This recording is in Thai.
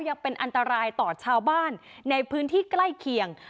ยังเป็นอันตรายต่อชาวบ้านในพื้นที่ใกล้เคียง